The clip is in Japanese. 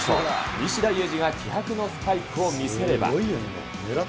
西田有志が気迫のスパイクを見せれば。